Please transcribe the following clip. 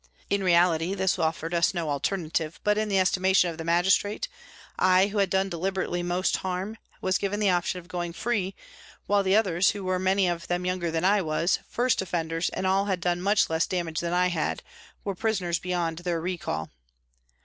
In reality, this offered us no alternative, but in the estimation of the magistrate, I, who had done deliberately most harm, was given the option of going free, while the others, who were many of them younger than I was, first offenders and all had done much less damage than I had, were prisoners beyond their recall.